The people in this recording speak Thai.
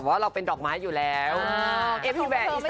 วันลอยก็ทำให้แม่มีดอกด้วย